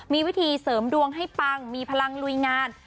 มีวิธีเสริมดวงให้ปังมีพลังลุยงาน